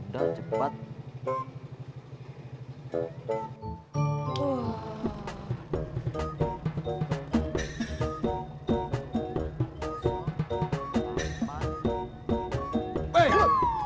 gaut ituk ada p rs